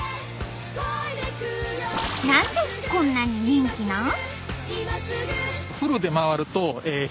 何でこんなに人気なん？